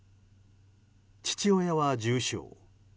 父親は重傷。